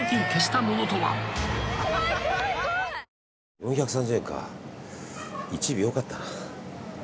４３０円か、１尾多かったな。